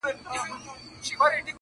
شپې مو په ساحل کې د څپو له وهمه وتښتي-